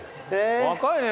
若いね。